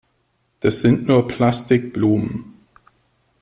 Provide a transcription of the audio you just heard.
Das sind nur Plastikblumen.